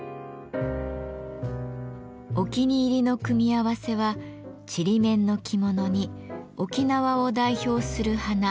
お気に入りの組み合わせはちりめんの着物に沖縄を代表する花月桃をあしらった紅型の帯。